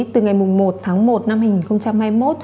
từ ngày một tháng một năm hai nghìn hai mươi một